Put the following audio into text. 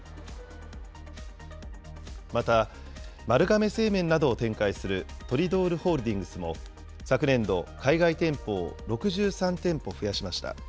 また、丸亀製麺などを展開するトリドールホールディングスも昨年度、海外店舗を６３店舗増やしました。